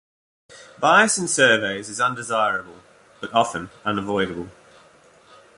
Bias in surveys is undesirable, but often unavoidable.